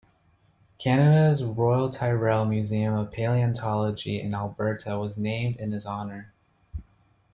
Canada's Royal Tyrrell Museum of Palaeontology in Alberta was named in his honour.